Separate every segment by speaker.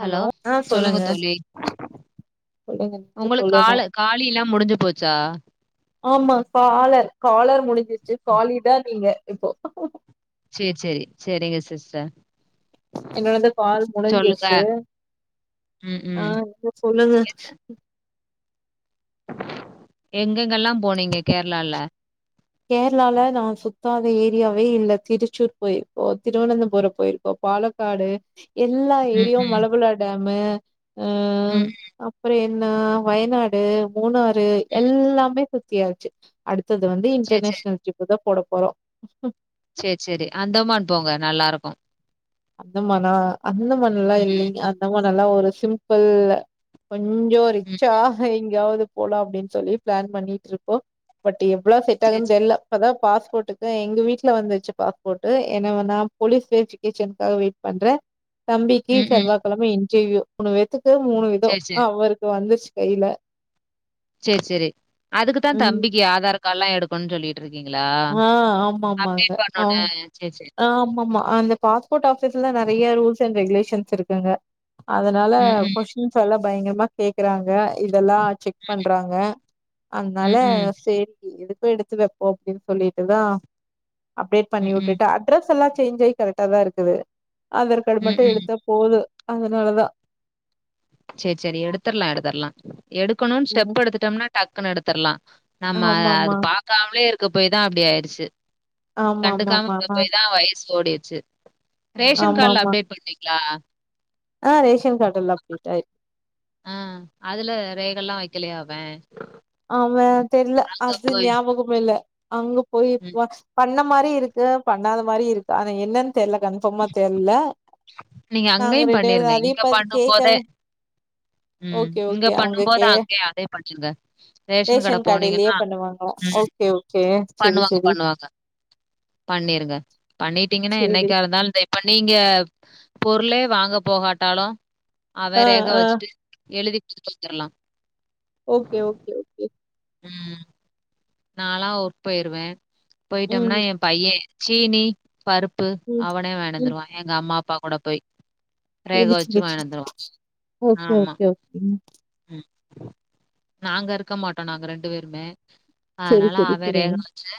Speaker 1: Hello சொல்லுங்க தோழி
Speaker 2: சொல்லுங்க நீங்க
Speaker 1: உங்களுக்கு
Speaker 2: சொல்லணு
Speaker 1: காலு காலில்லா முடிஞ்சு போச்சா
Speaker 2: ஆமா காலர் காலர் முடிஞ்சிர்ச்சு காலி தா நீங்க இப்போ
Speaker 1: சேர் சேரி சேரிங்க சிஸ்டர்
Speaker 2: என்னோடது கால்
Speaker 1: சொல்லுங்க.
Speaker 2: முடிஞ்சிருச்சு
Speaker 1: ம்,
Speaker 2: ஆ
Speaker 1: ம்.
Speaker 2: சொல்லுங்க
Speaker 1: எங்கெங்கல்லா போனீங்க கேர்ளால
Speaker 2: கேர்ளால நா சுத்தாத ஏரியாவேயில்ல திருச்சூர் போயிர்க்கோ திருவனந்தபுரோ போயிர்க்கோ பாலக் காடு எல்லா
Speaker 1: ம்,
Speaker 2: ஏரியு
Speaker 1: ம்.
Speaker 2: மலபுலா டாமு
Speaker 1: ம்
Speaker 2: அப்றோ என்ன வயநாடு மூணாறு எல்லாமே சுத் தியாச்சு அடுத்தது வந்து
Speaker 1: சரி, சரி.
Speaker 2: இன்டர்நேஷ்னல் ட்ரிப்பு தா போட போறோ
Speaker 1: சேர் சேரி அந்தமான் போங்க நல்லாயிருக்கு
Speaker 2: அந்தமானா அந்தமான் லா
Speaker 1: ம்,
Speaker 2: இல்லைங்க ஆமா நல்லா ஒரு சிம்ப்பிள் கொஞ்சோ
Speaker 1: ம்.
Speaker 2: ரிச்சா எங்கயாது போலா அப்டின் சொல்லி பிளான் பண்ணிட்ருக்கோ பட் எவ்ளவ்
Speaker 1: சரி,
Speaker 2: செட்டாகுன்
Speaker 1: சரி.
Speaker 2: தெர்ல இப்பதா பாஸ்போட்டுக்கு எங்க வீட்ல வந்துச்சு பாஸ்போட்டு என்னவன்னா போலீஸ் வெரிஃபிகேஷன் காக வெயிட் பண்றே தம்பிக்கு
Speaker 1: ம், ம்.
Speaker 2: செவ்வாக்கெழம இன்டர்வியூ மூனுபேத்து க்கு மூனு வித
Speaker 1: சரி, சரி.
Speaker 2: அவருக்கு வந்துருச்சு கையில
Speaker 1: சேரி சேரி அதுக்குதா
Speaker 2: ம்
Speaker 1: தம்பிக்கு ஆதார் கார்ட்ல்லா எடுக் கனு சொல்லிட்டு இருக்கீங்களா
Speaker 2: ஆ
Speaker 1: அப்டேட் பண்ணொன்ன சேரி சேரி
Speaker 2: ஆமா ஆமா அந்த பாஸ்போர்ட் ஆபீஸ்ல நெறைய ரூல்ஸ் அண்ட் ரெகுலேஷன்ஸ் இருக்குங்க அதனால
Speaker 1: ம், ம்.
Speaker 2: கொஷ் டீன்ஸ் எல்லா பயங்கரமா கேக்குறாங்க இதெல்லா செக் பண்றாங்க அதுனால
Speaker 1: ம், ம்.
Speaker 2: சேப்ட்டி எதுக்கு எடுத்து வெப்போ அப்டின் சொல்லிட்டுதா அப்டேட்
Speaker 1: ம், ம்.
Speaker 2: பண்ணிவுட்டுட்டு அட்ரஸெல்லா சேஞ்ச்சாயி கரெக்ட்டா தாயிருக்குது ஆதார் காடு
Speaker 1: ம்,
Speaker 2: மட்டு
Speaker 1: ம்.
Speaker 2: எடுத்தாப் போது அதனாலதா
Speaker 1: சேர் சேரி எடுத்தர்லா எடுத்தர்லா எடுக்கணுன்
Speaker 2: ம்
Speaker 1: ஸ்டெப் எடுத்துட்டோம்னா டக்குன்னு எடுத்தர்லா நாம அது
Speaker 2: ஆமாமா
Speaker 1: பாக்காம்லேயிருக்க போய் தா அப்டி ஆய்டுச்சு
Speaker 2: ஆமா ஆமா
Speaker 1: கண்டுக்காம
Speaker 2: ஆமா
Speaker 1: விடபோய் தா வயசு ஓடிர்ச்சு ரேஷன்
Speaker 2: ஆமா
Speaker 1: கார்ட்ல
Speaker 2: ஆமா
Speaker 1: அப்டேட் பண்ணீங்ளா
Speaker 2: ஆ ரேஷன் கார்ட்டெல்லா அப்டேட்டாயிர்க்
Speaker 1: ஆ அதுல ரேகல்லா வெக்கலையா அவெ
Speaker 2: அவ்வெ தெர்ல அது ஞாபகமேயில்ல அங்கப்
Speaker 1: ம்
Speaker 2: போய்க்வா பண்ண மாரியிருக்கு பண்ணாத மாரியிருக் ஆனா என்னன் தெர்ல கன்ஃபாமா தெர்ல
Speaker 1: நீங்க
Speaker 2: நாங்க
Speaker 1: அங்கயு
Speaker 2: ரெண்டு
Speaker 1: பண்ணிருங்க
Speaker 2: பேரும் அதே
Speaker 1: இங்க
Speaker 2: பாத்து
Speaker 1: பண்ணும் போதே
Speaker 2: கேக்கவே
Speaker 1: ம்
Speaker 2: ஓகே
Speaker 1: இங்க
Speaker 2: ஓகே அவங்க
Speaker 1: பண்ணும்போதே
Speaker 2: கே
Speaker 1: அங்கே அதே பண்ணிருங்க ரேஷன் கட
Speaker 2: கடையிலயே
Speaker 1: போனீங்கன்னா
Speaker 2: பண்ணுவாங்க
Speaker 1: ம்
Speaker 2: ஓகே ஓகே செரி
Speaker 1: பண்ணுவாங்க
Speaker 2: செரி
Speaker 1: பண்ணுவாங்க பண்ணீருங்க பண்ணிட்டீங்கன்னா
Speaker 2: சேரி
Speaker 1: என்னைக்காயிருந்தால் தே பண்ணி இங்க பொர்ளே வாங்க போகாட்டாலு அவ
Speaker 2: ஆ
Speaker 1: ரேக
Speaker 2: ஆ
Speaker 1: வெச்சுட்டு எழுதி குடுத்துட்டு வந்தர்லா
Speaker 2: ஓக்கே ஓக்கே ஓக்கே
Speaker 1: ம் நான்ல ஒர்க் போயிருவே போய்ட்டோம்னா
Speaker 2: ம்
Speaker 1: என் பைய்ய சீனி பருப் ப்பு
Speaker 2: ம்
Speaker 1: அவனே
Speaker 2: ம்
Speaker 1: வாய்னுவந்துருவா எங்கம்மா அப்பா கூட போய் ரேக
Speaker 2: தெரிஞ்சிச்சு
Speaker 1: வச்சு வாங்கின்னு வந்துருவான்.
Speaker 2: தெச்சு ஓகே
Speaker 1: ஆமா.
Speaker 2: ஓகே ஒகே
Speaker 1: ம் நாங்கயிருக்க மாட்டோ நாங்க ரெண்டுவேருமே
Speaker 2: சேரி
Speaker 1: அதனால
Speaker 2: சேரி
Speaker 1: அவரே
Speaker 2: சேரிங்க
Speaker 1: க வெச்சு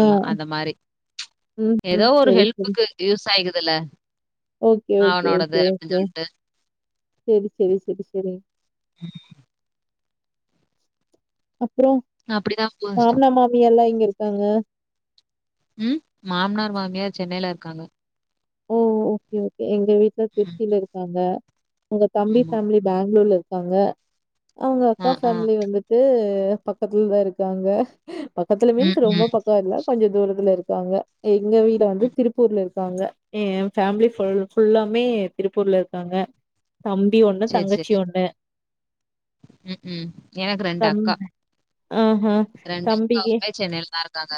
Speaker 2: ஆ
Speaker 1: அந்த மாரி
Speaker 2: ம்
Speaker 1: ஏதோ
Speaker 2: ம்
Speaker 1: ஒரு
Speaker 2: சேரி சேரி
Speaker 1: ஹெல்ப்புக்கு யூஸ் அயிக்குதுல
Speaker 2: ஓகே ஓகே ஓகே ஓகே செரி செரி செரி செரி
Speaker 1: ம்
Speaker 2: அப்றோ
Speaker 1: அப்படிதான் போச்சு.
Speaker 2: மாம்னார் மாமியல்லா எங்கயிருக்காங்க
Speaker 1: ம் மாம்னார் மாமியார் சென்னைலயிருக்காங்க
Speaker 2: ஓ ஓகே ஓகே எங்க வீட்ல
Speaker 1: ம்.
Speaker 2: திர்ச்சிலயிருக்காங்க உங்க தம்பி
Speaker 1: ஆமா.
Speaker 2: ஃபேமிலி பெங்ளுர்லயிர்க்காங்க அவங்க
Speaker 1: அ,
Speaker 2: அக்கா
Speaker 1: ஆ.
Speaker 2: ஃபேமிலி வந்துட்டு பக்கத்துல தா இருக்காங்க பக்கத்துல
Speaker 1: ம்,
Speaker 2: மீன்ஸ் ரொம்ப
Speaker 1: ம்.
Speaker 2: பக்க இல்ல கொஞ்ச தூரத்துல இருக்காங்க எங்க வீட வந்து
Speaker 1: ம்.
Speaker 2: திருப்பூர்ல இருக்காங்க ஏன் ஃபேம்லி ஃபுல்லாமே திருப்பூர்ல இருக்காங்க தம்பி ஒண்ணு
Speaker 1: சரி,
Speaker 2: தங்கச்சி
Speaker 1: சரி.
Speaker 2: ஒண்ணு
Speaker 1: ம் ம் எனக்கு ரெண்டு
Speaker 2: தம்
Speaker 1: அக்கா
Speaker 2: ஆஹா
Speaker 1: ரெண்டு அக்காவுமே சென்னைலதா இருக்காங்க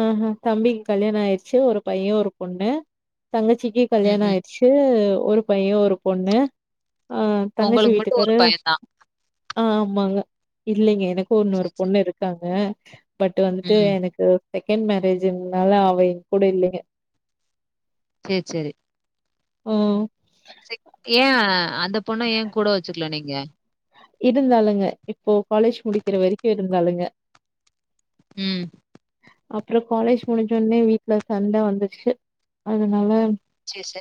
Speaker 2: ஆ ஹ தம்பிக்கு கல்யாண ஆயிற்ச்சு ஒரு பையன் ஒரு பொண்ணு தங்கச்சிக்கி
Speaker 1: ம்,
Speaker 2: கல்யாண
Speaker 1: ம்.
Speaker 2: ஆயிற்ச்சு ஒரு பையன் ஒரு பொண்ணு ஆ தங்கச்சி
Speaker 1: உங்களுக்கு மட்டும் ஒரு
Speaker 2: வீட்டுக்காரு
Speaker 1: பையன் தான்.
Speaker 2: ஆமாங்க இல்லைங்க எனக்கு இன்னொரு பொண்ணு இருக்காங்க பட் வந்துட்டு
Speaker 1: ம்.
Speaker 2: எனக்கு செகண்ட் மேரேஜுனால அவ என் கூட இல்லைங்க
Speaker 1: சேரி செரி
Speaker 2: ம்
Speaker 1: சிக் ஏன் அந்த பொண்ண ஏங் கூட வெச்சுக்ல நீங்க
Speaker 2: இருந்தாலுங்க இப்போ காலேஜ் முடிக்கிற வரைக்கு இருந்தாலுங்க
Speaker 1: ம்
Speaker 2: அப்றோ காலேஜ் முடிஞ்ச உடனே வீட்ல சண்ட வந்துச்சு அதனால
Speaker 1: செர் செ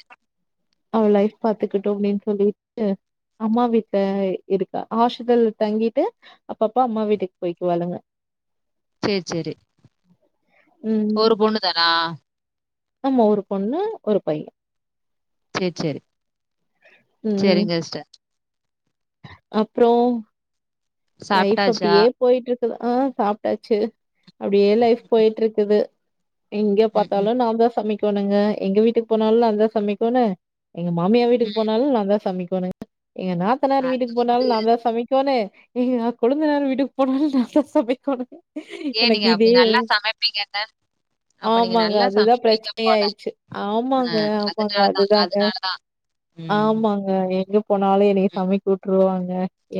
Speaker 2: அவ லைஃப் பாத்துக்கிட்டுமே அப்டின் சொல்லிட்டு அம்மா வீட்ட இருக்கா ஹாஸ்ட்டல் தங்கிட்டு அப்பப்ப அம்மா வீட்டுக்கு போய்க்குவாழுங்க
Speaker 1: சேரி செரி
Speaker 2: ம்.
Speaker 1: ஒரு பொண்ணு தானா
Speaker 2: ஆமா ஒரு பொண்ணு ஒரு பையன்
Speaker 1: செரி செரி சரிங்க சிஸ்டர்
Speaker 2: அப்றோ லைஃப்
Speaker 1: சாப்ட்டாச்சா?
Speaker 2: அப்டியே போய்ட்டு இருக்குது ஆ சாப்ட்டாச்சு அப்டியே லைஃப் போய்ட்டு இருக்குது எங்க
Speaker 1: ம்,
Speaker 2: பாத்தாலு
Speaker 1: ம்.
Speaker 2: நான்தா சமைக்கனுங்க எங்க வீட்டுக்கு போனாலு நான்தா சமைக்கணு எங்க மாமியா வீட்டுக்
Speaker 1: ம்.
Speaker 2: போனாலு நான் தா சமைக்கணு எங்க நாத்தனார்
Speaker 1: அது
Speaker 2: வீட்டுக்கு போனாலு நான் தா சமைக் கணு எங்க கொழுந்தநார் வீட்டுக் போனாலு நான்தா சமைக்கனூ
Speaker 1: ஏன் நீங்க அப்டி நல்லா சமப்பீங்கனே
Speaker 2: ஆமாங்க அதுதா பெரச்சனயே
Speaker 1: போல.
Speaker 2: ஆயிச்சு
Speaker 1: அ
Speaker 2: ஆமாங்க ஆமாங்க
Speaker 1: அதனால தான்,
Speaker 2: அதுதாங்க
Speaker 1: அதனால தான். ம்.
Speaker 2: ஆமாங்க எங்க போனாலு என்னய சமைக்க உட்ருவாங்க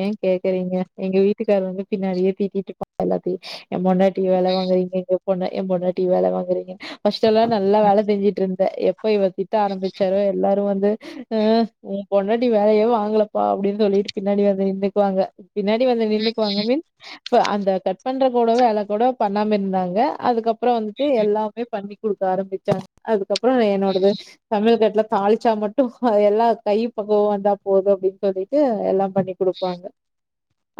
Speaker 2: ஏன் கேக்குறீங்க எங்க வீட்டுக்காரவங்க பின்னாடியே பீத்திட்ருப்பாங்க எல்லாதி என் பொன்டாட்டி வேல வாங்குறீங்க எங்க பொண்ண என் பொண்டாட்டி வேல வாங்குறீங்க ஃபஸ்ட்டெல்லா நல்லா வேல செஞ்சுட்டுருந்தே எப் எப்ப இவரு திட்ட ஆரம்பிச்சாரோ எல்லாரு வந்து ஹ் ஓ பொண்டாட்டி வேலையே வாங்கல பா அப்டின் சொல்லிட் பின்னாடி வந்து நின்டுக்குவாங்க பின்னாடி வந்து நின்னுக்குவாங்க மீன்ஸ் ப அந்த கட் பண்ற கூட வேல கூட பண்ணாம இருந்தாங்க அதுக்கப் றோ வந்துட்டு எல்லாமே பண்ணி குடுக்க ஆரம்பிச்சாங்க அதுக்கப்புறோ என்னோடது சமயல் கட்டுல தாளிச்சா மட்டு அது எல்லா கை பக்கவொ வந்தா போதும் அப்டின் சொல்லி ட்டு எல்லாம் பண்ணி குடுப்பாங்க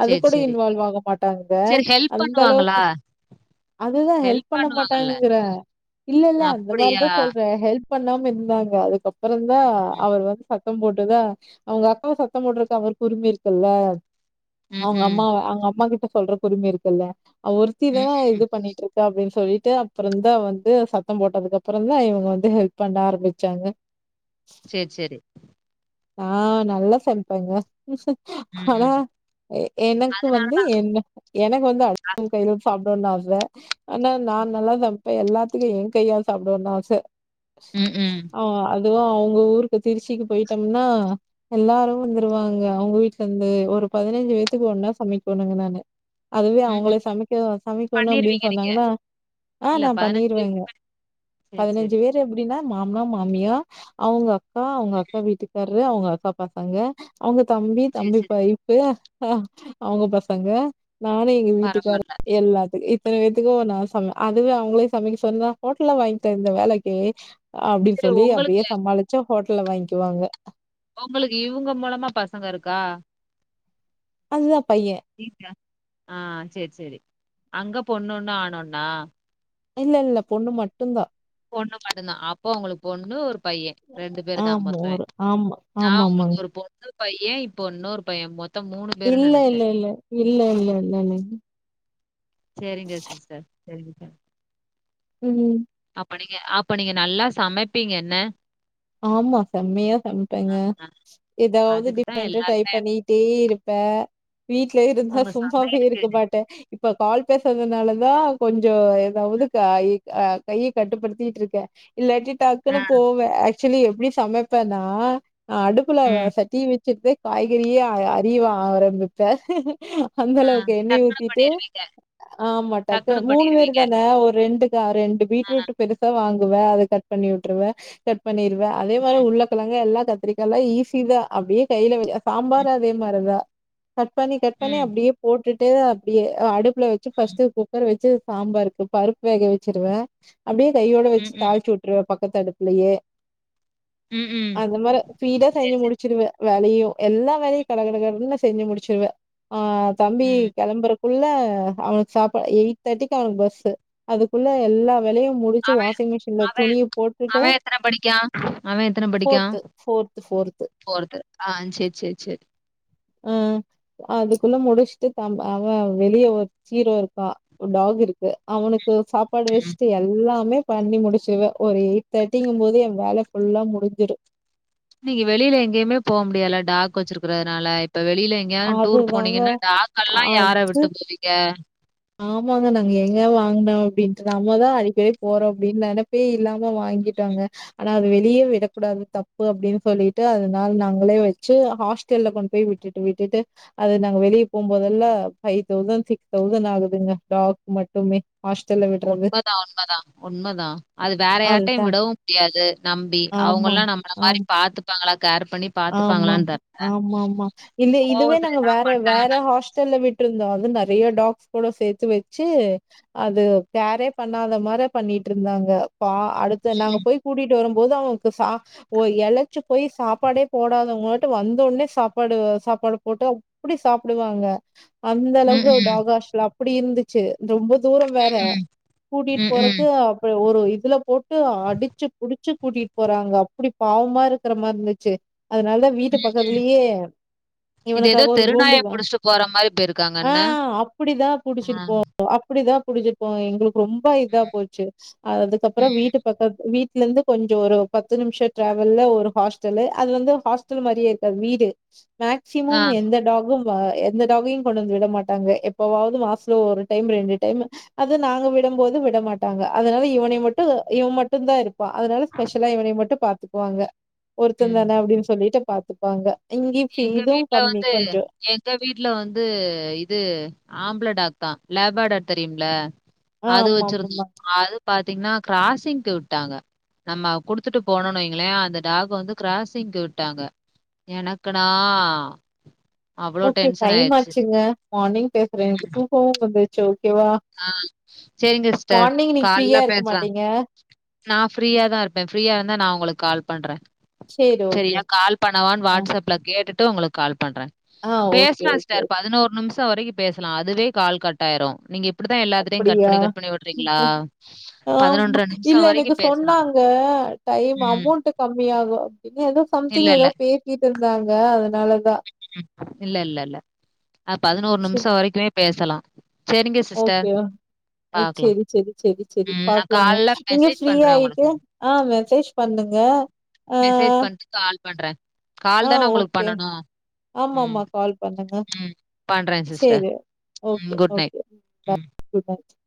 Speaker 2: அது
Speaker 1: சரி,
Speaker 2: கூட
Speaker 1: சரி.
Speaker 2: இன்வால்வ் ஆக மாட்டாங்க
Speaker 1: சரி ஹெல்ப்
Speaker 2: அந்த
Speaker 1: பண்ணுவாங்களா?
Speaker 2: அளவுக்கு அதுதா ஹெல்ப் பண்ண மாட்டாங்கங்கறே இல்லல்ல அந்த
Speaker 1: அப்படியா?
Speaker 2: மாரிதா சொல்றே ஹெல்ப் பண்ணாம இருந்தாங்க அதுக்கப்றந் தா அவர் வந்து சத் தம் போட்டுதா அவுங்க அக்காவ சத்தம் போட்டுறக்கு அவருக் உரிம இருக்குல்ல
Speaker 1: ம், ம்.
Speaker 2: அவுங்கம்மாவ அவங் அம்மா கிட்ட சொல்றக் உரிம இருக்குல்ல அவ
Speaker 1: ம்.
Speaker 2: ஒருத்திதான இது பண்ணிட் இருக் கா அப்டின் சொல்லிட்டு அப்புறந்தா வந்து சத்தம் போட்டதுக்கப்புறம் தா இவங்க வந்து ஹெல்ப் பண்ண ஆரம்பிச்சாங்க
Speaker 1: சேர் செரி
Speaker 2: ஆ நல்லா சம்ப்பாங்க
Speaker 1: ம்,
Speaker 2: ஆனா
Speaker 1: ம்.
Speaker 2: எ எனக்கு
Speaker 1: அதனால
Speaker 2: வந்து என்ன எனக்கு வந்து அடுத்தவங் கையில சாப்ட்டோன் ஆச ஆனா நா நல்லா சமைப்பே எல்லாத்துக்கு என் கையால் சாப்ட்டோன் ஆச
Speaker 1: ம்ஹ்ம்.
Speaker 2: ஆ அதுவு அவங்க ஊருக்கு திருச்சிக்கு போயிட்டம்னா எல்லாரு வந்துருவாங்க அவங்க வீட்லந்து ஒரு பதினைஞ்சு பேத்துக்கு ஒன்னா சமைக்கோணுங்க நானு அதுவே
Speaker 1: ம்ஹ்ம்.
Speaker 2: அவங்களே சமைக்க சமைக்கோணு அப்டின்
Speaker 1: பண்ணிருவீங்க நீங்க.
Speaker 2: சொன்னாங்கன்னா ஆ நா பண்ணிருவேங்க
Speaker 1: சேர் செரி
Speaker 2: இங்க எப்டின்னா மாமனா மாமியா அவ்ங்க அக்கா அவ்ங்க காரரு அவ்ங்க அக்காப் பாசங்க அவ்ங்க தம்பி
Speaker 1: சரி,
Speaker 2: தம்பிப்
Speaker 1: சரி.
Speaker 2: வைஃப் பு அ அவங்க பசங்க நானு எங்க வீட்டுக்காரர்
Speaker 1: பரவால்ல.
Speaker 2: எல்லாத்துக்கு த் தன பேத்துக்கு நா சம அதுவே அவ்ங்களே சமைக்க சொன்னா ஹோட்டல்ல வாங்கி தந்து வேலைக்கி அப்டின்
Speaker 1: சரி
Speaker 2: சொல்லி அப்டியே
Speaker 1: உங்களுக்கு
Speaker 2: சமாளிச்சா ஹோட்டல்ல வாங்கிவாங்க
Speaker 1: உங்களுக்கு இவங்க மூலமா பசங்க இருக்கா
Speaker 2: அது தா பைய
Speaker 1: [unintelligible] ஆ சேர் செரி அங்கே பொண்ணொன்னு ஆணொண்ணா
Speaker 2: இல்லல்ல பொண்ணு மட்டுந் தா
Speaker 1: பொண்ணு மட்டுந்தா அப்போ உங்களுக் பொண்ணு ஒரு பைய ரெண்டு பேர் தா
Speaker 2: ஆமா
Speaker 1: மொத்தமே
Speaker 2: ஒரு ஆமா
Speaker 1: ஆ
Speaker 2: ஆமா
Speaker 1: உங்களுக்கு
Speaker 2: ஆமாங்க
Speaker 1: ஒரு பொண்ணு பைய இப்ப இன்னோரு பைய மொத்
Speaker 2: இல்ல இல்லேல்ல இல்ல இல்லேல்லேலல
Speaker 1: செரிங்க சிஸ்டர் சரிங்க சரி
Speaker 2: ம்
Speaker 1: அப்ப நீங்க அப்ப நீங்க நல்லா சமைப்பீங்க என்ன
Speaker 2: ஆமா செம்மயா சமைப்பேங்க
Speaker 1: ஆ.
Speaker 2: ஏதாவது
Speaker 1: அதுக்கு தான்
Speaker 2: டிஃப்ரெண்டா ட்ரை
Speaker 1: எல்லாருமே
Speaker 2: பண்ணி டே இருப்பே வீட்ல இருந்தா
Speaker 1: உங்க
Speaker 2: சும்மாவே
Speaker 1: சமையலுக்கு
Speaker 2: இருக்க மாட்டே இப்ப கால் பேசறதுனால தா கொஞ்சோ ஏதாவது காயி அ கைய கட்டுப்படுத்திட்டு இருக்கே இல்லாட்டி
Speaker 1: ஆ.
Speaker 2: டக்குன்னு போவே ஆ க்சுலி எப்டி சமைப்பேன்னா நா அடுப்புல
Speaker 1: ம்.
Speaker 2: சட்டிய வெச்சிட்டு போய் காய்கறியே அ அரிவ ஆரம்பிப்பே அந்த
Speaker 1: ஆ
Speaker 2: அளவுக்கு எண்ணெய
Speaker 1: டக்குனு
Speaker 2: ஊத்திட்டு
Speaker 1: பண்ணிருவீங்க.
Speaker 2: ஆமா டக்குன்னு மூணு பேரு தானே ஒரு ரெண்டு கா ரெண்டு
Speaker 1: ஆ.
Speaker 2: பீட்ரூட்டு பெருசா வாங்குவ அத கட் பண்ணி விட்டுருவ கட் பண்ணிருவ அதே மாரி
Speaker 1: ம்.
Speaker 2: உருளக்கிழங்கு எல்லா கட் கத்திரிக்கால்லா ஈஸி தா அப்டியே கையில சாம்பார்
Speaker 1: ம்.
Speaker 2: அதே மாரி தா கட் பண்ணி கட் பண்ணி
Speaker 1: ம்.
Speaker 2: அப்டியே போட்டுட்டு அப்டியே அ அடுப்புல வச்சி ஃபர்ஸ்ட்டு குக்கர் வச்சு சாம்பாருக்கு பருப்பு வேக வச்சுருவ அப்டியே கையோட
Speaker 1: ம்.
Speaker 2: வச்சு தாழ்ச்சி உட்டுருவ பக்கத்து அடுப்புலயே
Speaker 1: ம். ம்.
Speaker 2: அந்த மாரி பீடா
Speaker 1: சரி,
Speaker 2: செஞ்சி
Speaker 1: சரி.
Speaker 2: முடிச்சிருவ வேலையு எல்லா வேலையு கட கட கடன் நா செஞ்சு முடிச்சிருவ ஆ தம்பி
Speaker 1: ம்.
Speaker 2: கெளம்புற ஃபுல்லா அவனுக்கு சாப்ப எயிட் தேர்ட்டிக்கு அவனுக்கு பஸ்சு அதுக்குள்ள எல்லா வேலையு முடிச்சு
Speaker 1: அவன்
Speaker 2: வாஷிங் மிஷின்ல
Speaker 1: அவன்
Speaker 2: துணிய போட்டுட்டு
Speaker 1: அவன் எத்தன படிக்கான்
Speaker 2: ஃபோர்த்து ஃபோர்த்து ஃபோர்த்து
Speaker 1: ஃபோர்த்து ஆ சேர் சேர் சேர்
Speaker 2: ம் அதுக்குள்ள முடிச்சுட்டு த அவன் வெளிய ஒரு சீரோ இருக்கா டாக் இருக்கு அவனுக்கு சாப் சாப்பாடு
Speaker 1: ம்.
Speaker 2: வச்சுட்டு எல்லாமே பண்ணி முடிச்சிருவ ஒரு எயிட் தேர்டிங்கும் போது என் வேல ஃபுல்லா முடிஞ்சிடு
Speaker 1: நீங்க வெளில எங்கேயுமே போ முடியால டாக் வச்சிருக்கறதுனால இப்ப வெளில எங்கியாது டூர்
Speaker 2: அதுதாங்க
Speaker 1: போனீங்கனா டாக் எல்லா யார
Speaker 2: அது
Speaker 1: விட்டு போவீங்க
Speaker 2: ஆமாங்க நாங்க ஏங்க வாங்ன அப்டின்ட்டு நம்மதா அடிக்கடி போறோ அப்படின் நெனப் பே இல்லாம வாங்கிட்டாங்க ஆனா அது வெளியே விடக்கூடாது தப்பு அப்டின்னு சொல்லிட்டு அதனால நாங்களே வச்சு ஹாஸ்டல்ல கொண்டு போய் விட் விட்டு விட்டுட்டு அது நாங்க வெளிய போ போதெல்லா ஃபைவ் தௌசண்ட் சிக்ஸ் தௌசண்ட் ஆகுது சின்ன டாக் மட்டுமே ஹாஸ்டல்லு
Speaker 1: உண்மதா உண்மதா உண்மதா அது வேற யார்டயு
Speaker 2: அதுதான்.
Speaker 1: விடவு முடியாது நம்பி
Speaker 2: ஆமா.
Speaker 1: அவுங்ளா நம்மள மாரி பாத்துப்பாங்ளா கேர் பண்ணி
Speaker 2: ஆமா
Speaker 1: பார்த்துப்பாங்களான்னு
Speaker 2: ஆமா
Speaker 1: தெர்
Speaker 2: ஆமாமா இல்ல இதுவே
Speaker 1: கோவத்துல
Speaker 2: நாங்க
Speaker 1: ஏதாவது
Speaker 2: வேற வேற
Speaker 1: பட்டாங்கன்னா
Speaker 2: ஹாஸ் ஹாஸ்டல்ல விட்டு இருந்த அது நறைய டாக்ஸ் கூட சேத்து வச்சி அது கேரே பண்ணாத மாரி பண்ணிட்டு இருந்தாங்க பா அடு இத நாங்க போய் கூட்டிட்டு வரும் போது அவுங்க சாப் எலச்சி போய் சாப்பாடே போடாதவங்களட்டு வந்த உடனே சாப்பாடு சாப்பாடு போட்டு அப்டி சாப்புடுவாங்க அந்த
Speaker 1: ம்.
Speaker 2: அளவு
Speaker 1: ம்.
Speaker 2: டாக் ஹாஸ்டல் அப்டி இருந்துச்சு ரொம்ப தூர வே ற
Speaker 1: ம்.
Speaker 2: கூட்டிட்டு
Speaker 1: ம். ம்.
Speaker 2: போறக்கு ஒரு இதுல போட்டு அடிச்சி புடிச்சி கூட்டிட்டு போறாங்க அப்டி பாவமா இருக்கிற மாரி இருந்துச்சு அதனால வீட்டு பக்கத்துலயே
Speaker 1: இது ஏதோ
Speaker 2: இவனுக்காக ஒரு
Speaker 1: தெருநாய
Speaker 2: கூண்டுவா
Speaker 1: புடிச்சிட்டு போற மாரி
Speaker 2: ஆ
Speaker 1: போயிருக்காங்கண்ண.
Speaker 2: அப்டிதா
Speaker 1: ஆ.
Speaker 2: புடிச்சிருப்போ அப்டிதா புடிச்சுட்போவாங் எங்களுக்கு ரொம்ப இதா போச்சு அதுக்கப்றோ
Speaker 1: ம்.
Speaker 2: வீட்டு பக்க வீட்ல இருந்து கொஞ்ச ஒரு பத்து நிமிஷம் டிராவல்லு ஒரு ஹாஸ்டலு அது வந்து ஹாஸ்டல் மாரியே இருக்காது வீடு
Speaker 1: ஆ.
Speaker 2: மேக்சிமம் எந்த டாகும் ப எந்த டாகையு கொண்டு வந்து விட மாட்டாங்க எப்பவாது மாசத்ல ஒரு டைம் ரெண்டு டைம் அது நாங்க விடும்போது விடமாட்டாங்க அதனால இவனைய மட்டு இவன் மட்டு தா இருப் பா அதனால ஸ்பெஷலா இவனைய மட்டு பாத்துக்குவாங்க ஒருத்தன்
Speaker 1: ம்.
Speaker 2: தான அப்டின்னு சொல்லிட்டு பாத்துப்பாங்க இங்கே ஃபீரி
Speaker 1: எங்க
Speaker 2: இது
Speaker 1: வீட்ல
Speaker 2: கம்மி
Speaker 1: வந்து
Speaker 2: கொஞ்சன
Speaker 1: எங்க வீட்ல வந்து இது ஆம்பள டாக் தா லேப்பேடர் தெரியும்ல அது வச்சிருந்தே
Speaker 2: ஆமாமாமா.
Speaker 1: அது பாத்தீஙனா கிராசிங்க்கு விட்டாங்க நம்ம குடுத்துட்டு போனோன் வைங்களே அந்த டாக் வந்து கிராஸிங்கு விட்டாங்க எனா க்கணா
Speaker 2: ஓகே டைம் ஆச்சுங்க மார்னிங் பேசுறே எனக்கு தூக்கமு வந்துருச்சு ஓகேவா
Speaker 1: ஆ சேரிங்க சிஸ்டர்
Speaker 2: மார்னிங் இன்னைக்கு
Speaker 1: கால்ல
Speaker 2: ஃப்ரீயா இருக்க
Speaker 1: பேசுற
Speaker 2: மாட்டீங்க.
Speaker 1: நா ஃப்ரீயாதா இருப்ப ஃப்ரீயா இருந்தா நா உங்களுக்கு கால் பண்ற
Speaker 2: சரி ஓகே.
Speaker 1: செரியா கால் பண்ணவான்னு
Speaker 2: அ
Speaker 1: வாட்ஸ் அப்ல கேட்டுட்டு உங்களுக்கு கால் பண்ற
Speaker 2: ஆ ஓகே,
Speaker 1: பேசலா
Speaker 2: ஓகே,
Speaker 1: சிஸ்டர்
Speaker 2: ஓகே.
Speaker 1: பதினோர் நிம்ஷோ வரைக்கு பேசலா அதுவே கால் கட் ஆயிரு நீங்க இப்படித்தா எல்லாத்டையு கட்
Speaker 2: அப்படியா?
Speaker 1: பண்ணி கட் பண்ணி விடுறீங்களா பதினொன்ற
Speaker 2: ஆமா.
Speaker 1: நிம்ஷோ
Speaker 2: இல்ல
Speaker 1: வரைக்கு
Speaker 2: எனக்கு
Speaker 1: பேசலா
Speaker 2: சொன்னாங்க, டைம் அமௌண்ட்டு கம்மி ஆகு அப்டின்னு ஏதோ
Speaker 1: இல்ல,
Speaker 2: சம்திங் ஏதோ
Speaker 1: இல்ல.
Speaker 2: பேசிட்டு இருந்தாங்க அதனாலதா
Speaker 1: ம் இல்ல இல்ல இல்ல அ பதினோரு
Speaker 2: சரி
Speaker 1: நிமிஷோ வரைக்குமே பேசலா சேரிங்க சிஸ்டர்
Speaker 2: அ
Speaker 1: பாக்கலாம்.
Speaker 2: செரி செரி செரி செரி
Speaker 1: ம். நான்
Speaker 2: பாக்லாங்க
Speaker 1: காலைல
Speaker 2: நீங்க
Speaker 1: மெசேஜ்
Speaker 2: ஃப்ரீ
Speaker 1: பண்றேன்
Speaker 2: ஆயிட்டு
Speaker 1: உங்களுக்கு.
Speaker 2: ஆ மெசேஜ் பண்ணுங்க ஆ,
Speaker 1: மெசேஜ் பண்ணிட்டு கால் பண்ற கால் தான உங்களுக்கு பண்ணணு
Speaker 2: ஆமா ஆமா கால் பண் [unintelligible]
Speaker 1: பண்றேன் சிஸ்டர்.
Speaker 2: சேரி ஓகே
Speaker 1: ம். Good night.
Speaker 2: ஓகே
Speaker 1: ம்.
Speaker 2: Bye good night